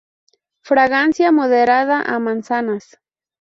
Fragancia moderada a manzanas.